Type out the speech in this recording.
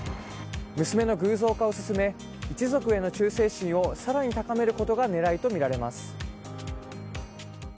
娘の偶像化を進め一族への忠誠心を更に高めることが狙いとみられます。